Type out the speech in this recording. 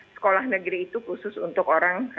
sekolah negeri itu khusus untuk orang